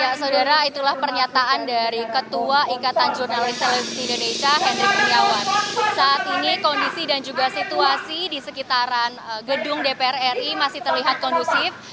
kenapa tidak mau menolak orang orang politik tersebut